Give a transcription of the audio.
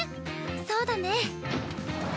そうだね！